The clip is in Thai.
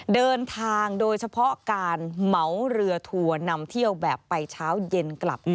โดยเฉพาะการเหมาเรือทัวร์นำเที่ยวแบบไปเช้าเย็นกลับ